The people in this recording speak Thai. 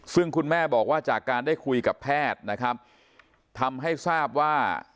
ซึ่งคุณแม่บอกว่าจากการได้คุยกับแพทย์นะครับทำให้ทราบว่า